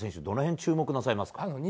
どの辺を注目なさいますか？